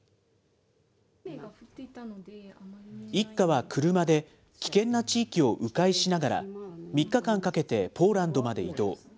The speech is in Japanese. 一家は車で危険な地域をう回しながら、３日間かけてポーランドまで移動。